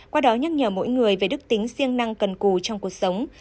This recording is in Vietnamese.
qua đó nhắc nhở mỗi người về đức tính riêng năng cần cù trong cuộc sống